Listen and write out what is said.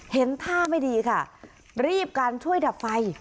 เห็นท่าไม่ดีค่ะรีบการช่วยดับไฟ